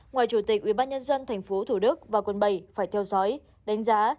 ngoài chủ tịch ubnd tp hcm và quận bảy phải theo dõi đánh giá